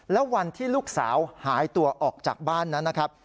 แล้ววันที่ลูกสาวหายตัวออกจากบ้านนั้นนะครับ